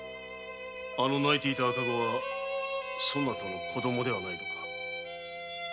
あの泣いていた赤子はそなたの子供ではないのか？